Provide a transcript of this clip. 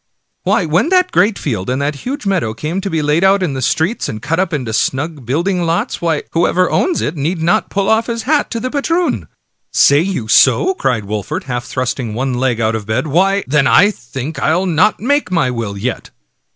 " Why, when that great field and that huge meadow come to be laid out in streets and cut up into snug building lots, — why, whoever owns it need not pull ofT his hat to the patroon! "" Say you so? " cried Wolfert, half thrusting one leg out of bed ;" why, then, I think I'll not make my will yet."